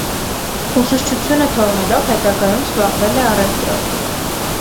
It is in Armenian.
Ուսուցչությունը թողնելով՝ հետագայում զբաղվել է առևտրով։